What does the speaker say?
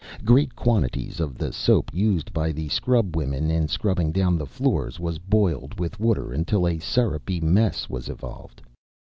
Great quantities of the soap used by the scrubwomen in scrubbing down the floors was boiled with water until a sirupy mess was evolved.